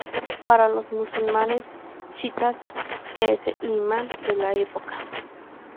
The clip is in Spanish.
Para los Musulmanes Chiítas, que es el Imam de la Época.